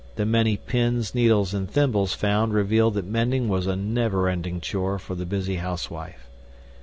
THE MANY PINS, NEEDLES, AND THIMBLES FOUND REVEAL THAT MENDING WAS A NEVER ENDING CHORE FOR THE BUSY HOUSEWIFE.